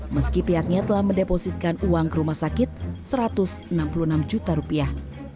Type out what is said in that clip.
meski pihaknya telah mendepositkan uang ke rumah sakit satu ratus enam puluh enam juta rupiah